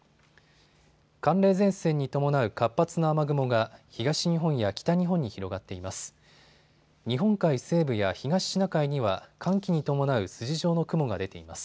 寒冷前線に伴う活発な雨雲が東日本や北日本に広がっています。